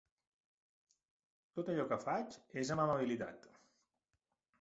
Tot allò que faig és amb amabilitat.